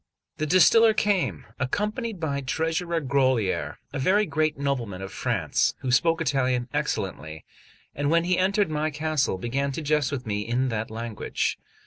The distiller came, accompanied by Treasurer Grolier, a very great nobleman of France, who spoke Italian excellently, and when he entered my castle, began to jest with me in that language.